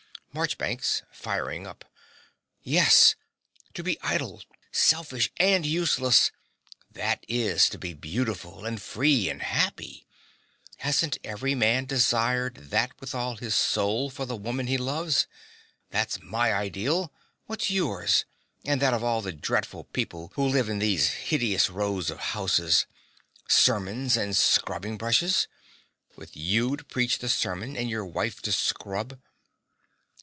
MARCHBANKS (firing up). Yes, to be idle, selfish and useless: that is to be beautiful and free and happy: hasn't every man desired that with all his soul for the woman he loves? That's my ideal: what's yours, and that of all the dreadful people who live in these hideous rows of houses? Sermons and scrubbing brushes! With you to preach the sermon and your wife to scrub.